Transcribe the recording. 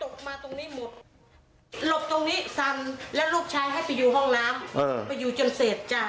หลบตรงนี้สั่นแล้วลูกชายให้ไปอยู่ห้องน้ำ